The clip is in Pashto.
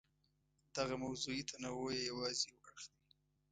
دغه موضوعي تنوع یې یوازې یو اړخ دی.